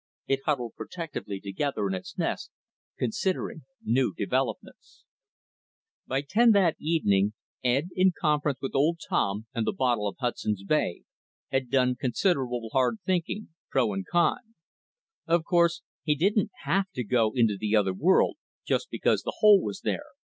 It huddled protectively together in its nest, considering these new developments. By ten that evening, Ed, in conference with old Tom and the bottle of Hudson's Bay, had done considerable hard thinking, pro and con. Of course, he didn't have to go into the other world, just because the hole was there.